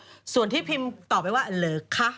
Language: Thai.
ดูของผู้ตอบไปว่าหรือคะ